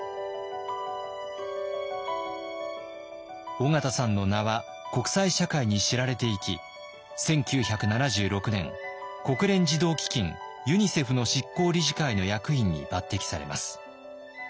緒方さんの名は国際社会に知られていき１９７６年国連児童基金＝ユニセフの執行理事会の役員に抜てきされます。